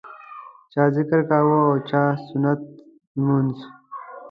چا ذکر کاوه او چا سنت لمونځ.